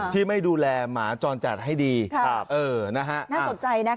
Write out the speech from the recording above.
ที่ไม่ดูแลหมาจรจัดให้ดีน่าสนใจนะคะ